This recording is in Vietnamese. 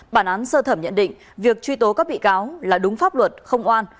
bản án sơ thẩm nhận định việc truy tố các bị cáo là đúng pháp luật không oan